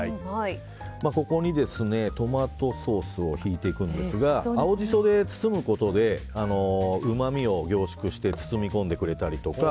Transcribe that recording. ここにトマトソースをひいていくんですが青ジソで包むことでうまみを凝縮して包み込んでくれたりだとか